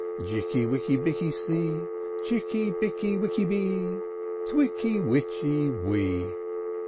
Jikky wikky bikky see, Chicky bikky wikky bee, Twicky witchy wee!"